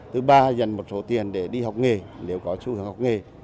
thứ ba dành một số tiền để đi học nghề nếu có xu hướng học nghề